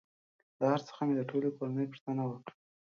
پلار څخه مې د ټولې کورنۍ پوښتنه وکړه